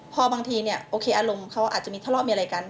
พอบางทีเนี่ยโอเคอารมณ์เขาอาจจะมีทะเลาะมีอะไรกัน